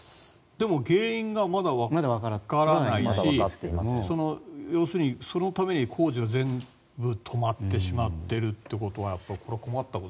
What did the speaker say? でも原因がまだわからないし要するに、そのために工事の全部が止まってしまっているということはやっぱりこれは困ったこと。